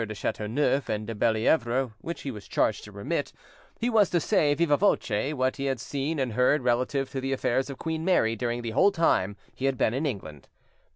de Chateauneuf and de Bellievre which he was charged to remit, he was to say 'viva voce' what he had seen and heard relative to the affairs of Queen Mary during the whole time he had been in England.